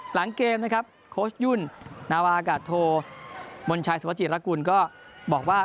หลังเกมนะครับโค้ชยุ่นนาวากาศโทมนชัยสุภาจิรกุลก็บอกว่า